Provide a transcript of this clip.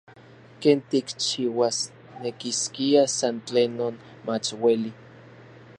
Ken tikchiuasnekiskia san tlen non mach ueli.